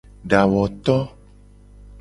Dawoto.